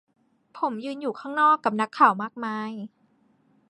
ผมยืนอยู่ข้างนอก กับนักข่าวมากมาย